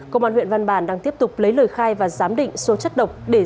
công an huyện văn bàn đang tiếp tục lấy lời khai và giám định số chất độc để xử lý theo quy định